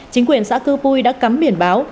chính quyền xã cư vui đã cấm biển báo